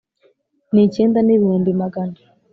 N icyenda n ibihumbi magana